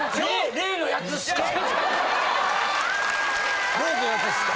例のやつですか？